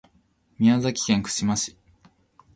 宮崎県串間市